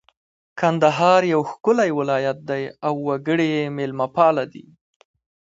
کندهار یو ښکلی ولایت دی اړ وګړي یې مېلمه پاله دي